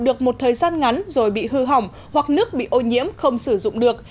được một thời gian ngắn rồi bị hư hỏng hoặc nước bị ô nhiễm không sử dụng được